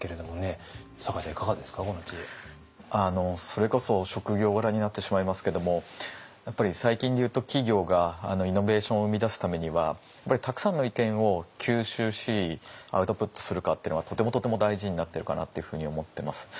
それこそ職業柄になってしまいますけどもやっぱり最近で言うと企業がイノベーションを生み出すためにはやっぱりたくさんの意見を吸収しアウトプットするかっていうのがとてもとても大事になってるかなっていうふうに思ってます。